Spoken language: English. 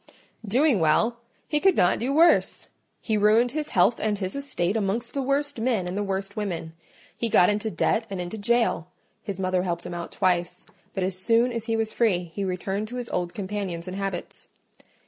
"Doing well! He could not do worse: he ruined his health and his estate amongst the worst men and the worst women. He got into debt and into jail: his mother helped him out twice, but as soon as he was free he returned to his old companions and habits.